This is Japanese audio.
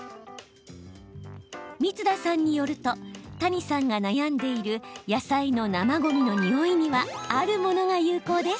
光田さんによると谷さんが悩んでいる野菜の生ごみのニオイにはあるものが有効です。